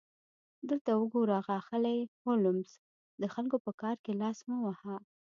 دلته وګوره ښاغلی هولمز د خلکو په کار کې لاس مه وهه